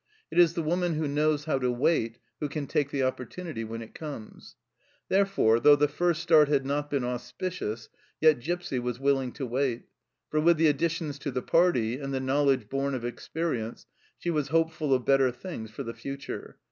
It is the woman who knows how to wait who can take the opportunity when it comes. Therefore, though the first start had not been auspicious, yet Gipsy was willing to wait, for with the additions to the party, and the knowledge born of experience, she was hopeful of better things for the future.